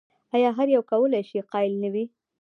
ایا هر یو کولای شي قایل نه وي؟